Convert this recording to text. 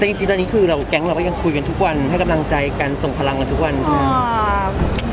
แต่จริงตอนนี้คือเราแก๊งเราก็ยังคุยกันทุกวันให้กำลังใจกันส่งพลังกันทุกวันใช่ไหม